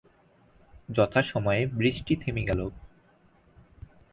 যথাসময়ে বৃষ্টি থেমে গেল।